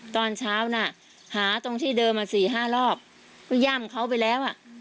ตอนเช้าน่ะหาตรงที่เดิมมาสี่ห้ารอบก็ย่ำเขาไปแล้วอ่ะ